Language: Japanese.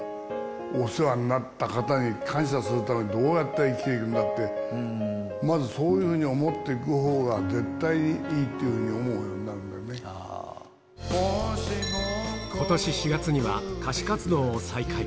お世話になった方に感謝するため、どうやって生きていくのかって、まずそういうふうに思っていくほうが絶対にいいっていうふうに思ことし４月には、歌手活動を再開。